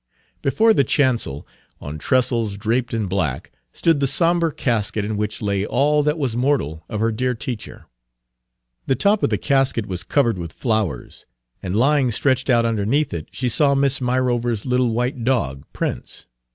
Before the chancel, on trestles draped in black, stood the sombre casket in which lay all that was mortal of her dear teacher. The top of the casket was covered with flowers; and lying stretched out underneath it she saw Miss Myrover's little white dog, Prince.